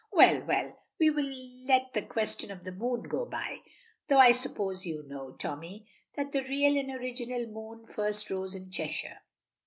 Well, well; we will let the question of the moon go by, though I suppose you know, Tommy, that the real and original moon first rose in Cheshire."